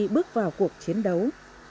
bước vào cuộc chiến đấu